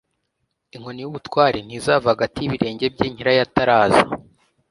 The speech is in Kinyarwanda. Inkoni y’ubutware ntizava hagati y’ibirenge bye Nyirayo ataraza;